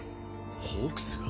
ホークスが！？